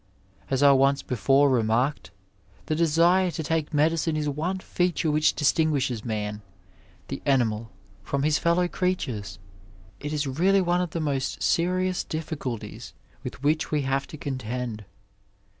As I once before remarked, the desire to take medicine b one feature which distinguishes man, the animal, from his fellow creatures. It is really one of the most serious difficulties with which we have to contend.